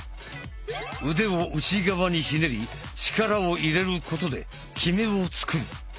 腕を内側にひねり力を入れることで極めをつくる。